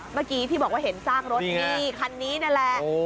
เมื่อกี้ที่บอกว่าเห็นซากรถนี่คันนี้นั่นแหละ